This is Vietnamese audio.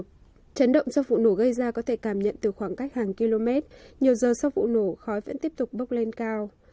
trận động do vụ nổ gây ra có thể cảm nhận từ khoảng cách hàng km nhiều giờ sau vụ nổ khói vẫn tiếp tục bốc lên cao